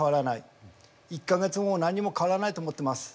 １か月後も何にも変わらないと思ってます。